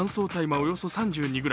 およそ３２ｇ